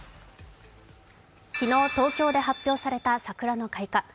昨日、東京で発表された桜の開花。